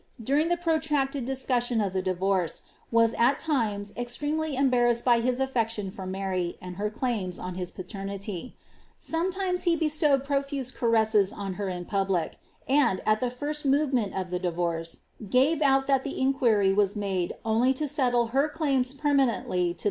during the protracted discussion of the divorce* was at times extremely embarrassed by his affection for Mary, and her claimi on his paternity. Sometimes he bestowed profuse caresses on herie public ; and, at the first movement of the divorce, gave out that the ' Not for the sake, sad to say, of approaching the altar of our Lord.